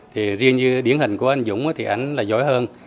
thì riêng điển hình của anh dũng thì anh là giỏi hơn